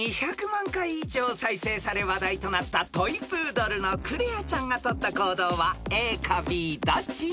［２００万回以上再生され話題となったトイプードルのクレアちゃんがとった行動はＡかＢどっち？］